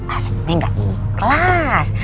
ah senyumnya enggak ikhlas